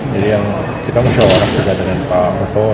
jadi yang kita usirkan dengan pak otoha